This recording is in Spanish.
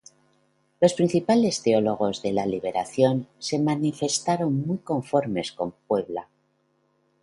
Los principales teólogos de la liberación se manifestaron muy conformes con Puebla.